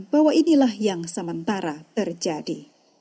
bahwa inilah yang sementara terjadi